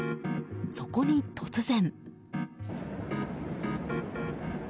そこに突然。